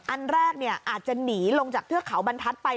อันแรกอาจจะหนีลงจากเทือกเขาบรรทัศน์ไป